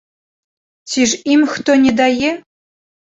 Ці ж ім хто не дае?